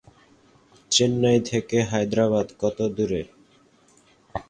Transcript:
চেন্নাই থেকে হায়দ্রাবাদ কত দূরে?